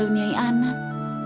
aku baru niai anak